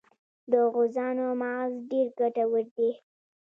د غوزانو مغز ډیر ګټور دی.